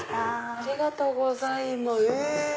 ありがとうございます。